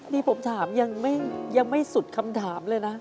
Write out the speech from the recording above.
นี่ผมถามยังไม่สุดคำถามเลยนะ